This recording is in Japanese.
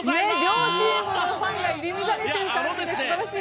両チームのファンが入り乱れてる感じで素晴らしい。